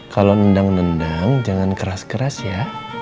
kalau nendang nendang jangan keras keras ya